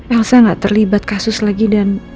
bangsa gak terlibat kasus lagi dan